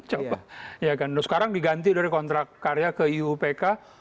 terus sekarang diganti dari kontrak karya ke iupk